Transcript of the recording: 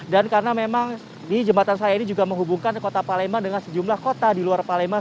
dan karena memang di jembatan saya ini juga menghubungkan kota palembang dengan sejumlah kota di luar palembang